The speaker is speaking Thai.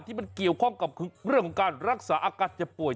ที่มันเกี่ยวข้องกับเรื่องของการรักษาอาการเจ็บป่วย